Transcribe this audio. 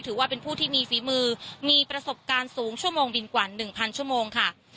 ถือว่าเป็นผู้ที่มีฝีมือมีประสบการณ์สูงชั่วโมงบินกว่า๑๐๐ชั่วโมงค่ะ